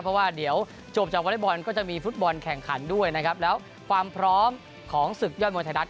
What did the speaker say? เพราะว่าเดี๋ยวจบจากวอเล็กบอลก็จะมีฟุตบอลแข่งขันด้วยนะครับแล้วความพร้อมของศึกยอดมวยไทยรัฐ